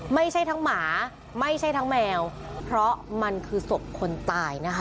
ไม่ใช่ทั้งหมาไม่ใช่ทั้งแมวเพราะมันคือศพคนตายนะคะ